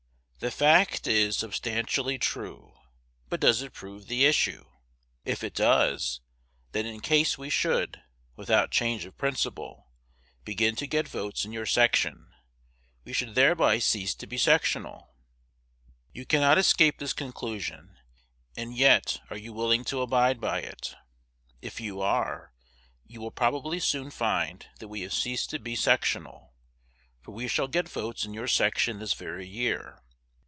The fact is substantially true; but does it prove the issue? If it does, then in case we should, without change of principle, begin to get votes in your section, we should thereby cease to be sectional. You cannot escape this conclusion; and yet are you willing to abide by it? If you are, you will probably soon find that we have ceased to be sectional, for we shall get votes in your section this very year.